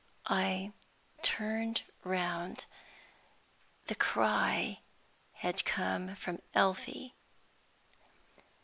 I turned round. The cry had come from Elfie.